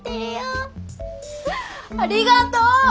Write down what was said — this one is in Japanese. ありがとう。